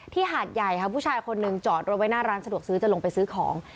หาดใหญ่ค่ะผู้ชายคนหนึ่งจอดรถไว้หน้าร้านสะดวกซื้อจะลงไปซื้อของ